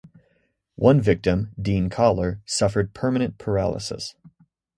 One victim, Dean Kahler, suffered permanent paralysis.